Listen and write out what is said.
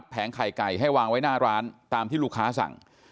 ไข่ไก่ให้วางไว้หน้าร้านตามที่ลูกค้าสั่ง